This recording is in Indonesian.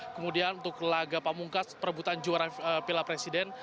kemudian untuk laga pamungkas perebutan juara piala presiden